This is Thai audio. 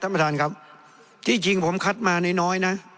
ท่านประธานครับที่จริงผมคัดมาน้อยนะ